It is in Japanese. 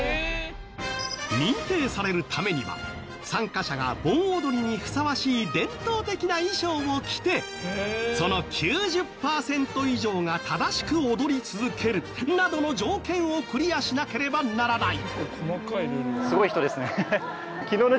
認定されるためには参加者が盆踊りにふさわしい伝統的な衣装を着てその９０パーセント以上が正しく踊り続けるなどの条件をクリアしなければならない。